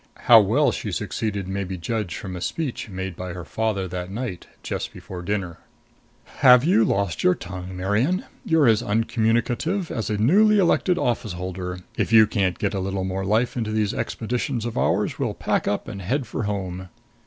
How well she succeeded may be judged from a speech made by her father that night just before dinner: "Have you lost your tongue, Marian? You're as uncommunicative as a newly elected office holder. If you can't get a little more life into these expeditions of ours we'll pack up and head for home."